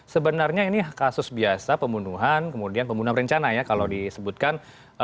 sebenarnya ini kasus biasa pembunuhan kemudian pembunuhan berencana ya kalau disebutkan